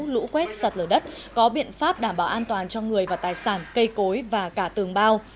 lũ quét sạt lở đất có biện pháp đảm bảo an toàn cho người và tài sản cây cối và cả tường bao